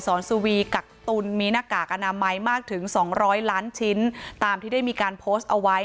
สวีกักตุลมีหน้ากากอนามัยมากถึงสองร้อยล้านชิ้นตามที่ได้มีการโพสต์เอาไว้